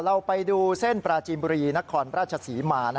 เราไปดูเส้นปราจีนบุรีนครราชศรีมา